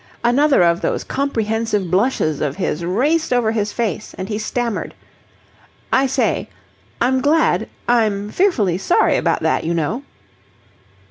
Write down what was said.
Another of those comprehensive blushes of his raced over his face, and he stammered. "I say, I'm glad... I'm fearfully sorry about that, you know!"